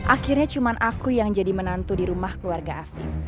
akhirnya cuma aku yang jadi menantu di rumah keluarga aku